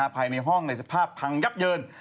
ภายในห้องในสภาพพังยับเยิน